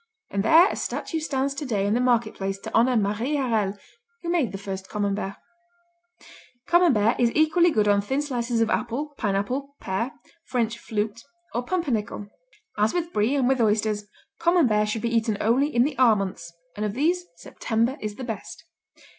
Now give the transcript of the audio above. And there a statue stands today in the market place to honor Marie Harel who made the first Camembert. Camembert is equally good on thin slices of apple, pineapple, pear, French "flute" or pumpernickel. As with Brie and with oysters, Camembert should be eaten only in the "R" months, and of these September is the best.